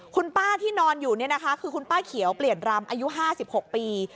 คุณป้าที่นอนอยู่คือคุณป้าเขียวเปลี่ยนรำอายุ๕๖ปี